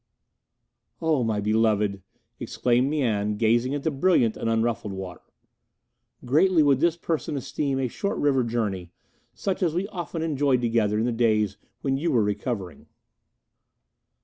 "Oh, my beloved!" exclaimed Mian, gazing at the brilliant and unruffled water, "greatly would this person esteem a short river journey, such as we often enjoyed together in the days when you were recovering."